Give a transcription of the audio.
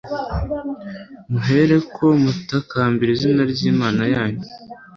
Muhereko mutakambire izina ryImana yanyu